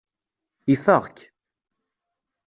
Ifeɣ-k.